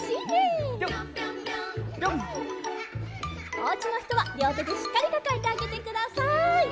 おうちのひとはりょうてでしっかりかかえてあげてください。